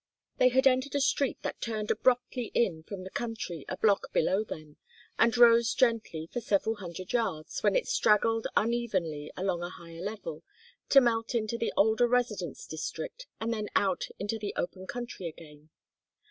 They had entered a street that turned abruptly in from the country a block below them, and rose gently for several hundred yards, when it straggled unevenly along a higher level, to melt into the older residence district and then out into the open country again.